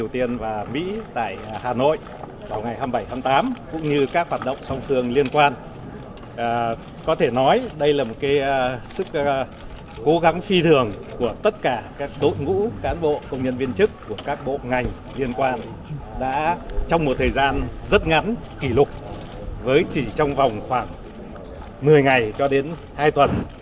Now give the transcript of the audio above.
trong thời gian rất ngắn kỷ lục với chỉ trong vòng khoảng một mươi ngày cho đến hai tuần